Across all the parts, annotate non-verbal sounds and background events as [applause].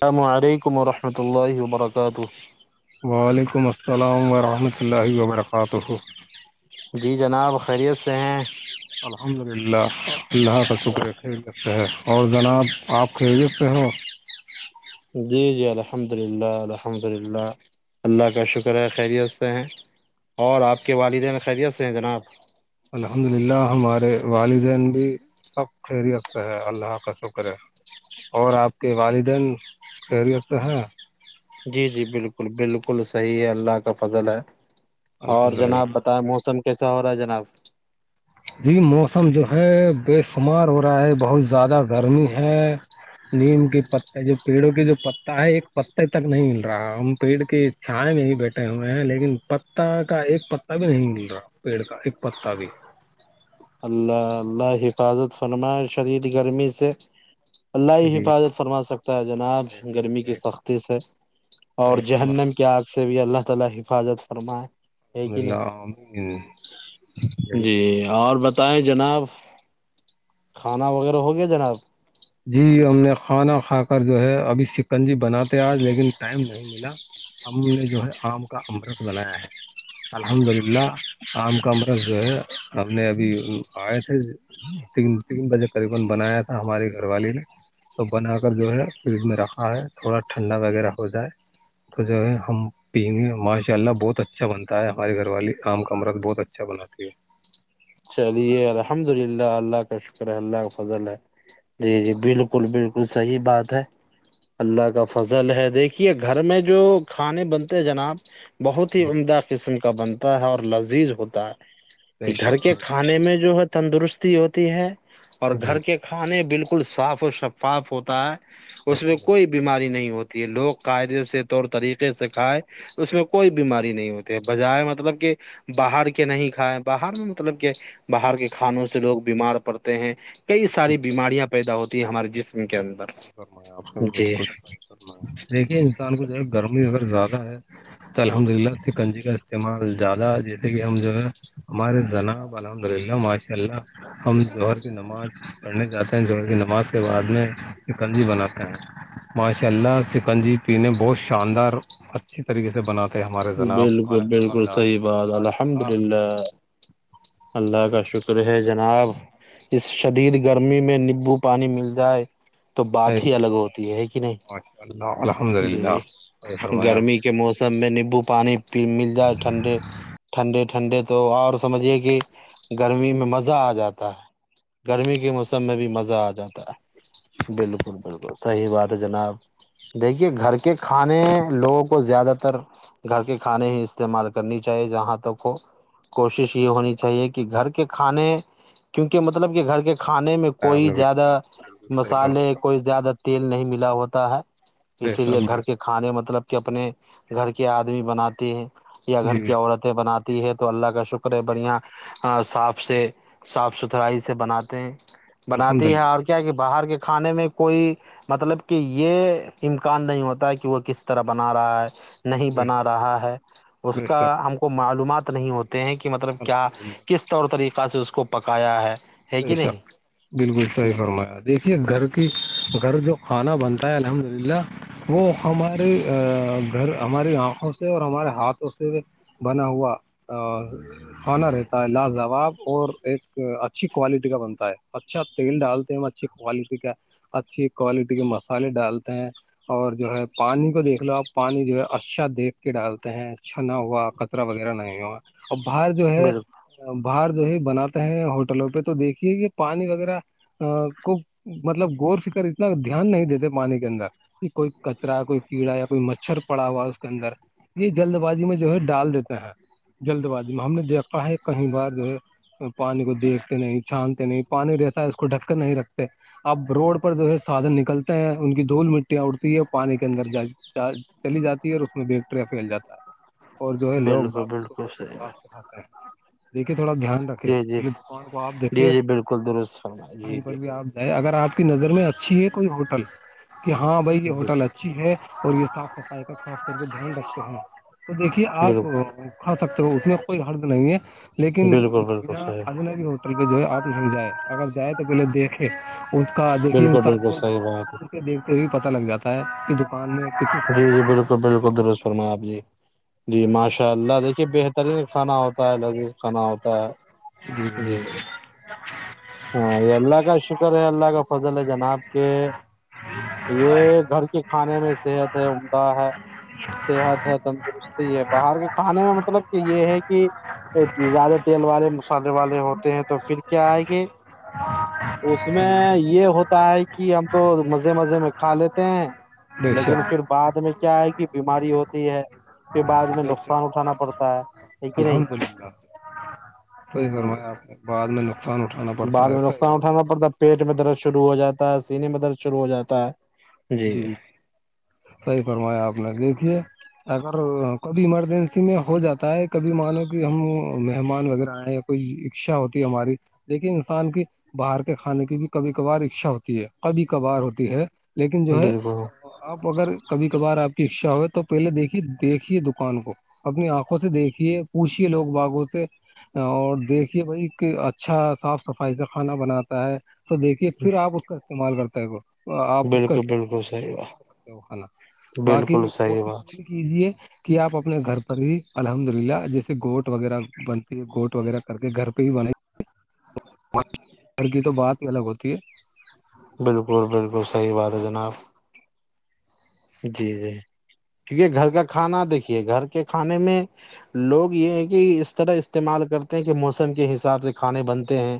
السلام علیکم ورحمۃ اللہ وبرکاتہ وعلیکم السلام ورحمۃ اللہ وبرکاتہ جی جناب خیریت سے ہیں الحمد للہ اللہہ کا شکر خ رتے ہے اور جناب آپ خیریت پہ ہو جی جی الحمد للہ الحمد للہ اللہ کا شکر ہے خیریت سے ہیں اور آپ کے والدہ میں خیریت سے ہیں جناب الحمد للہ ہمارے والدین بھی سب خیریت سے ہے اللہ کا شکر ہے اور آپ کے والدین خیریت ہیں جی جی بالکل بالکل صحیح ہے اللہ کا فضل ہے اور الحمد للہ جناب بتائے موسم کیسا ہو رہا ہے جناب جی موسم جو ہے بے شمار ہو رہا ہے بہت زیادہ گرمی ہے نیم کی پت جو پیڑوں کے جو پتا ہے ایک پتے تک نہیں مل رہا ہم پیڑ کے چھائے میں ہی بیٹھے ہوئے ہیں لیکن پتا کا ایک پتا بھی نہیں مل رہا پیڑ کا ایک پتا بھی اللہ اللہ حفاظت فرمائے شدید گرمی سے اللہ ہی جی حفاظت فرما سکتا ہے جناب گرمی کی سختی سے بالکل فرمائےائے یہ کہ نہیں جی اور بتائیں جناب کھانا وغیرہ ہو گیا جناب جی ہم نے کھانا کھا کر جو ہے ابھی چکن جی بناتے آج لیکن ٹائم نہیں ملا ہم نے جو ہے آم کا امرت بنایا ہے الحمد للہ عام کمرے سے ہم نے ابھی ائے تھے تین بجے تقریبا بنایا تھا ہمارے لائبہ کا دیکھیں گھر والے نے تو بنا کر جو ہے فریج میں رکھا ہے تھوڑا ٹھنڈا وغیرہ ہو جائے تو جو ہے ہم پینے ماشاء اللہ بہت اچھا بنتا ہے ہماراری گھر والی کام کامرد بہت اچھا اچھا بنااتتی ہے چلیے الحمد للہ اللہ کا شکر ہے اللہ کا فضل ہے جی جی بالکل بالکل صحیح بات ہے اللہ کا فضل ہے دیکھیے گھر میں جو کھانے بنتے ہیں جناب بہت ہی ہے جی عمدہ قسم کا بنتا ہے اور لذیذ ہوتا ہے بے کہ گھر شک کے کھانے میں جو ہے تندرستی ہوتی ہے اور جی گھر کے کھانے بالکل صاف اور شفاف ہوتا ہے اس الحمد میں للہ کوئی بیماری نہیں ہوتی ہے لوگ قاعدے سے طور طریقے سے کھائے اس میں کوئی بیماری نہیں ہوتی بجائے مطلب کہ باہر کے نہیں کھائے باہر میں مطلب کہ باہر کے کھانوں سے لوگ بیمار پڑتے ہیں کئی ساری بیماریاں پیدا ہوتی ہے ہماراری جس ص کرنا آپ کا بھی بالکل ص کرنا ہے دیکھیے انسان کو جو ہے گرمی اگر زیادہ ہے تو الحمد للہ اس کی کنجی کا استعمال زیادہ ہے جیسے کہ ہم جو ہے ہمارے جناب الحمد للہ ماشاء اللہ ہم جوہر کی نماز پڑھنے جاتے ہیں جو کی نماز کے بعد میںکنجی بناتے ہیں ماشاء اللہ چکن جی پینے بہت شاندار اچھی طریقے سے بناتا بالکل بالکل صحیح بات ممتاز الحمد نواب، للہ اللہ کا شکر ہے جناب- اس شدید گرمی میں نیبو پانی مل جائے- تو بات ہی الگ ہوتی ہے کہ نہیں- ماشاء اللہ الحمد جی للہ صحیح فرمایا آپ گرمی نے کے موسم سب میں نیبو پانیی مل جائے ٹھنڈے- ٹھنڈے- ٹھنڈے- تو اور سمجھیے کہ گرمی میں مزہ آ جاتا ہے گرمی کے موسم میں بھی مزہ آ جاتا ہے- بالکل- بالکل صحیح بات ہے جناب- دیکھیے گھر کے کھانے لوگوں کو زیادہ تر گھر کے کھانے ہی استعمال کرنی چاہیے جہاں تک ہو- کوشش یہ ہونی چاہیے کہ گھر کے کھانے کیونکہ مطلب کہ گھر کے کھانے میں آپ کوئی نے بالکل زیادہ بالکل صحیح مسالے فرمایا کوئی زیادہ تیل نہیں ملا ہوتا ہے- بے اسی لیے شک بے گھر شک کے کھانے مطلب کہ اپنے گھر کے آدمی بناتے ہیں یا جی گھر کی عورت- بناتی ہے تو اللہ کا شکر ہے بڑھیا صاف سے صاف ستھرائی سے بناتے ہیں- الحمد بناتی ہے للہ اور کیا کہ باہر کے کھانے میں کوئی مطلب کہ یہ- امکان نہیں ہوتا ہے کہ وہ کس طرح بنا رہا ہے- نہیں بنا بہتر رہا ہے اس کا بہتر ہم کو معلومات نہیں ہوتی- ہیں کہ مطلب کیا الحمد للہ کس طور طریقہ سے اس کو پکایا ہے- ہے بے کہ شک نہیں بالکل صحیح فرمایا دیکھیے گھر کی گھر جو- کھانا بنتا ہے الحمد للہ- وہ ہماراری گھر ہماری آنکھوں سے، اور ہمارے ہاتھوں سے- بنا ہوا ہونا رہتا ہے لاجواب اور ایک- اچھی کوالٹی کا بنتا ہے اچھا تیل ڈالتے ہیں اچھی کوالٹی کا- اچھی کوالٹی کے مسالے ڈالتے ہیں- اور جو ہے پانی کو دیکھ لو آپ پانی جو ہے اچھا دیکھ کے ڈالتے ہیں اچھا نہ ہوا- کترا وغیرہ نہیںا اور باہر جو ہے بالکل باہر جو ہے بناتے ہیں- ٹلوں پہ تو دیکھیے یہ پانی وغیرہ- ا کو مطلب گور س کر اتنا دھیان نہیں دیتے پانی کے اندر- کہ کوئی کچرا کوئی کیڑا یا کوئی مچھر پڑا ہوا اس کے اندر یہ جلد بازی میں جو ہے ڈال دیتے ہیں- جلد بازی میں ہم نے دیکھا ہے کہیں بار جو ہے پانی کو دیکھ- نہیں چھانتے نہیں پانی جیسا ہے اس کو ڈھک کے نہیں رکھتے- اب روڈ پر جو ہے سادن نکلتے ہیں ان کی دھول مٹیاں اڑتی ہے اور پانی کے اندر جا- چ چلی جاتی ہے اور اس میں بیکٹر پھیل جاتا ہے- اور جو ہے لوگ ب بالکل اس کو بالکل بڑے صحیح ہے سواس سکھاتے ہیں دیکھیے تھوڑا دھیان رکھے- جی جی کان کو آپ جی دیکھے جی بالکل درست فرما جی کہیں پر جی بھی آپ- نہیں اگر آپ کی نظر میں اچھی ہے کوئی ہوٹل- کہ ہاں بھائی یہ ہوٹل اچھی ہے اور یہ صاف صفائی کا خاص طور پہ دھیان رکھتے ہیں- تو دیکھیے آپ بالکل کھا سکتے ہو اس میں کوئی حرد نہیں ہے لیکن بالکل بالکل بنا- صحیح اجنبی ہوٹل پہ جو ہے آپ نہیں جائ اگر جائ تو پہلے دیکھے- اس کا دیکھی بالکل ہستان بالکل کو صحیح بات دیکھتے ہوئے پتا لگ جاتا ہے- کہ دکان میں کتنی صاف جی- جی، صفائی کا بالکل کام ہوتا -بالکل ہے درست فرما آپ جی- جی ماشاء اللہ دیکھیے بہترین کھانا ہوتا ہے لذیذ کھانا ہوتا ہے- جی جی ج ہاں اللگ شکر اللہگ فضلہ جنا آپ- کہ یہ گھر کے کھانے میں صحت ہے عمدہ ہے صحت ہے تندرستی ہے باہر کے کھانے میں مطلب مطلب کہ یہ ہے کہ زیادہ تیل والے مسالے والے ہوتے ہیں تو پھر کیا آئے گے اس میں بالکل یہ ہوتا ہے کہ کہ ہم تو مزے مزے میں کھا لیتے ہیں بے لیکن پھر شک بعد میں کیا ہے کہ بیماری ہوتی ہے پھر بعد میں بے نقصان شک اٹھانا پڑتا ہے ہے کہ نہیں الحمد للہ صحیح فرمایا آپ نے بعد میں نقصان اٹھانا پڑتا بعد ہے میں صحی نقصان اٹھانا پڑتا ہے پیٹ میں درد شروع ہو جاتا ہے سینے میں درد شروع ہو جاتا ہے جی صحیح فرمایا آپ نے دیکھیے اگر کبھی ایمرجنسی میں ہو جاتا ہے کبھی مانو کہ ہم مہمان وغیرہ آئے کوئی اچھا ہوتی ہماری دیکے انسان کی باہر کے کھانے کی بھی کبھی کبار اچھا ہوتی ہے کبھی کبھار ہوتی ہے لیکن جو ہے بالکل آپ اگر کبھی کبھار آپ کی اچھا ہوئے تو پہلے دیکھیے دیکھیے دکان کو اپنی آنکھوں سے دیکھیے پوچھیے لوگ باغوں سے اور دیکھیے بھائی کہ اچھا صاف صفائی کا کھانا بناتا ہے تو دیکھیے پھر آپ اس کا استعمال کرتا ہے آپ عال بالکل سکتے ہو بالکل صحیح کھا بات سک ہو کھانا باقی بالکل صحیح بات کوزی ہے کہ آپ اپنے گھر پر ہی الحمد للہ جیسے گوٹ وغیرہ بنتی ہے گوٹ وغیرہ کر کے گھر پہ ہی بن گھر کی تو بات ہی الگ ہوتی ہے بالکل بالکل صحیح بات ہے جناب جی جی کیونکہ گھر کا کھانا دیکھیے گھر کے کھانے میں لوگ یہ ہے کہ اس طرح استعمال کرتے ہیں کہ موسم کے حساب سے کھانے بنتے ہیں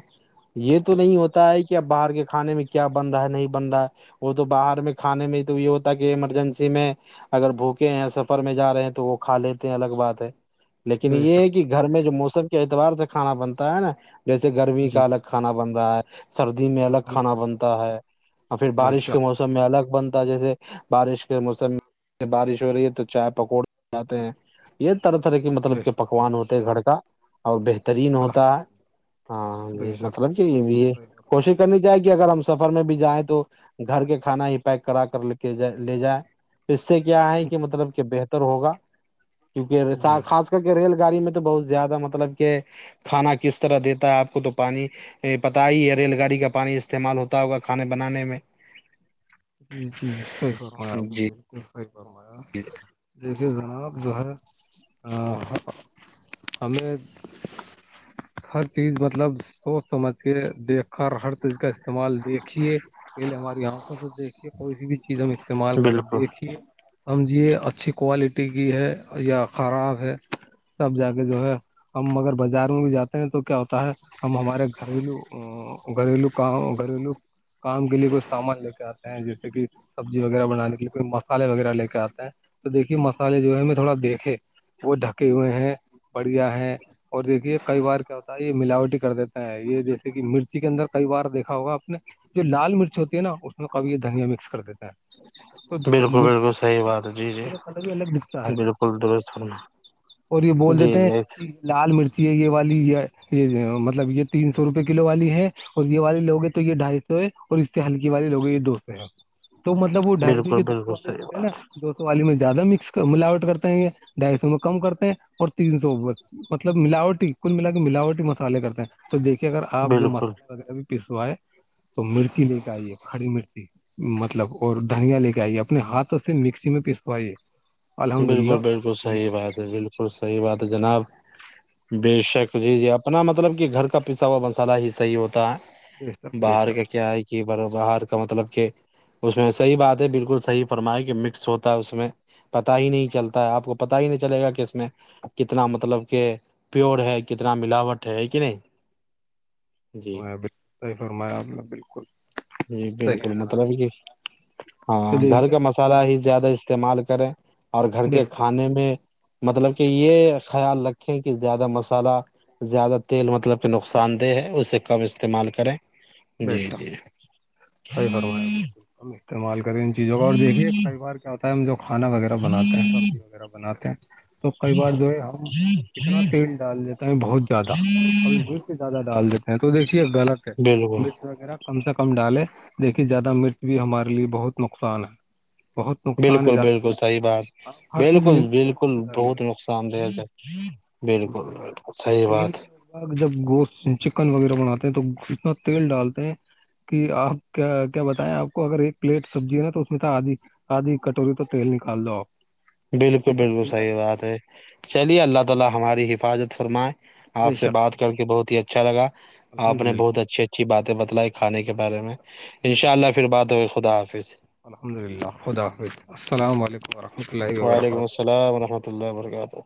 یہ تو نہیں ہوتا ہے کہ اب باہر کے کھانے میں کیا بن رہا ہے نہیں بن رہا ہے وہ تو باہر میں کھے میں تو یہ ہوتا ہے کہ ایمرجنسی میں اگر بھوکے ہیں سفر میں جا رہے ہیں تو وہ کھا لیتے ہیں الگ بات ہے لیکن بے یہ ہے شک کہ گھر میں جو موسم کے اعتبار سے کھانا بنتا ہے نا جیسے گرمی جی کا الگ کھانا بن رہا ہے سردی میں الگ کھانا الحمد للہ بنتا ہے اور پھر بے بارش کے شک موسم الگ بنتا جیسے بارش کے موسم میں بارش ہو رہی ہے تو چائے پکوڑے جاتے ہیں یہ طرح طرح کے مطلب بے کہ شک پکوان ہوتے ہیں گھر کا اور بہترین ہوتا الحمد ہے للہ ہ بے یہ شک مطلب بے کہ یہ کوشش کرنی جائے کہ اگر ہم سفر میں بھی جائیں تو گھر کے کھانا ہی پیک کرا کر لتے لے جائے اس سے کیا ہے کہ مطلب کہ بہتر ہوگا کیونکہ شک خاص کر کے ریل گاڑی میں تو بہت زیادہ مطلب کہ کھانا کس طرح دیتا ہے آپ کو تو پانی یہ پت ہی ہے ریل گاڑی کا پانی استعمال ہوتا ہوگا کھانے بنانے میں جی جی صحیح فرمایا آپ نے بالکل صحیح فرمایا جی دیکھیے جناب جو ہے ہممییں ہر چیز مطلب سوچ سمجھ کے دیکھ کر ہر چیز کا استعمال دیکھیے پہلے ہمارے یہاں دیکھیے کوئی س بھی چیز ہم استعمال کریں بالکل دیکھیے سمجھیے اچھی کوالٹی کی ہے یا خراب ہے سب جا کے جو ہے ہم اگر بازار میں بھی جاتے ہیں تو کیا ہوتا ہے ہمارے گھریلو گھریلو کاؤ گھریلو کام کے لیے کچھ سامان لے کے آتے ہیں جیسے کہ سبزی وغیرہ بنان کے لیے کوئی مسالے وغیرہ لے کے آتے ہیں تو دیکھیے مسالے جو ہے ہم تھوڑا دیکھے وہ ڈھکے ہوئے ہیں بڑھیا ہے اور دیکھیے کئی بار کیا ہوتا ہے یہ ملاوٹی کر دیتا ہیں یہ جیسے کہ مرچی کے اندر کئی بار دیکھا ہوگا آپ نے جو لال مرچ ہوتی ہے نا اس میں کب یہ دھنیا مکس کر دیتا ہیں تو بالکل مٹی کا بالکل کلر صحیح بھی بات ہے جی جی مٹی کا کلر بھی الگ دکھتا ہے [unintelligible] بالکل درست فرما اور یہ بول جی دیتے ہیں جی کہ [unintelligible] لال مرچی ہے یہ والی یہ یہ مطلب یہ تین سو روپے کلو والی ہے اور یہ والے لو ہیں تو یہ ڈھائی سو ہے اور اس سے ہلکی والے لوگ ہیں یہ دو سو ہے تو مطلب وہ ڈھائی بالکل کے دوستوں بالکل والے صحیح دیتے نا بات دو سو والی میں زیادہ مکس ملاوٹ کرتے ہیں یہ ڈھائی سو میں کم کرتے ہیں اور تین سو مطلب ملاوٹی کل ملا کے ملاوٹی مسالے کرتے ہیں تو دیکھیے اگر آپ جو بالکل مسالہ وغیرہ بھی پسوائے تو مرچی لے کے آئیے کھڑی مرچی مطلب اور دھنیا لے کے آئیے اپنے ہاتھوں سے مکسی میں پیسوائیے الحمد للہ بالکل بالکل نہیں صحیح ہوتی بات ہے بالکل صحیح بات ہے جناب بے شک جی جی اپنا مطلب کہ گھر کا پیسا ہوا مسالا ہی صحیح ہوتا ہے بہتر باہر بہتر کا کیا کہ ب باہر کا مطلب کہ اس میں صحیح بات ہے بالکل صحیح فرمائے کہ مکس ہوتا ہے اس میں پتا ہی نہیں چلتا ہے آپ کو پتا ہی نہیں چلے گا کہ اس میں کتنا مطلب کہ پیور ہے کتنا ملاوٹ ہے کہ نہیں جی [unintelligible] [inaudible] صحیح فرمایا نے بالکل جی صحیح بالکل رہا مطلب کہ [unintelligible] ہاں گھر کا مسالہ ہی زیادہ استعمال کریں اور گھر کے بہتر کھانے میں مطلب کہ یہ خیال رکھیں کہ زیادہ مسالحہ زیادہ تیل مطلب کہ نقصان دہ ہے اسے کب استعمال کریں بے جی شک جی صحیح فرمایا [unintelligible] بالکل ہم استعمال کریں ان چیزوں کا اور دیکھیے کئی بار کیا ہوتا ہے ہم جو کھانا وغیرہ بناتے ہیں پبزی وغیرہ بناتے ہیں تو کئی بار جو ہے ہم کتنا تیل ڈال دیتے بہت زیادہ ابھی م سے زیادہ ڈال دیتے ہیں تو دیکھیے غلط ہے بالکل مرچ وغیرہ کم سے کم ڈالے دیکھیے زیادہ مرچ بھی ہمارے لیے بہت نقصان ہے بہت نقصان ہے بالکل زیادہ بالکل مرچ۔ صحیح بات آپ ہر چیز بالکل لمٹ کے حساب بالکل سے بہت ڈالیے نقصان سے بالکل بکل صحی ہفتے کے لیے بات بھی لوگ جب گوشت چکن وغیرہ بناتے ہیں تو اتنا تیل ڈالتے ہیں کہ آپ کیا کیا بتائیں آپ کو اگر ایک پلیٹ سبزی ہے نا تو اس میں تو آدھی آادھی کٹوری تو تیل نکال دو آپ بالکل اتنا بالکل تیل صحیح ڈالتا بات ہے چلیے اللہ تعالی ہماری حفاظت فرمائے بے آپ سے شک بات کر کے بہت ہی اچھا لگا آپ الحمد نے بہت للہ اچھے اچھی باتیں بتلائے کھانے کے بارے میں ان بے شاء اللہ شک پھر بات ہو گئی خدا حافظ- الحمد اللہ خدا حافظ السلام و علیکم ورحمتہ اللہ- وعلیکم وبرکاتہ السلام رحمۃ اللہ وبرکاتہ-